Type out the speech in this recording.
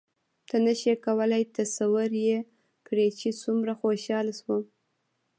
ته نه شې کولای تصور یې کړې چې څومره خوشحاله شوم.